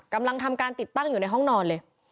กำลังทำการติดตั้งอยู่ในห้องนอนเลย